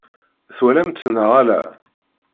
Twalam-tt neɣ ala?